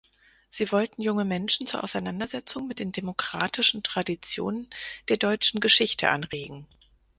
Sie wollten junge Menschen zur Auseinandersetzung mit den demokratischen Traditionen der deutschen Geschichte anregen.